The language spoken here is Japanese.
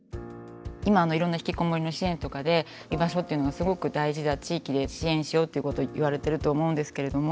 今いろんなひきこもりの支援とかで居場所というのがすごく大事だ地域で支援しようっていうこと言われてると思うんですけれども。